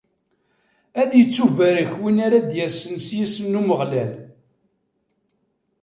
Ad ittubarek win ara d-yasen s yisem n Umeɣlal.